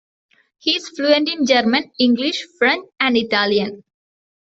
He is fluent in German, English, French and Italian.